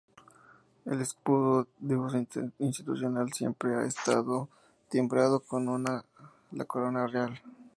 El escudo de uso institucional siempre ha estado timbrado con una la corona real.